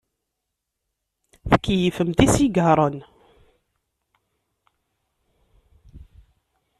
Tkeyyfemt isigaṛen.